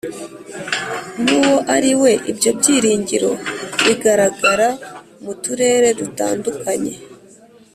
n'uwo ari we, ibyo byiringiro bigaragara mu turere dutandukanye